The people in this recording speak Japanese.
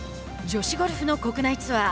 女子ゴルフの国内ツアー。